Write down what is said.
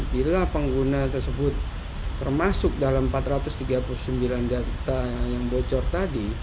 bila pengguna tersebut termasuk dalam empat ratus tiga puluh sembilan data yang bocor tadi